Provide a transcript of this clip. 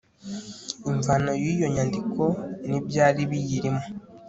imvano y'iyo nyandiko n'ibyari biyirimo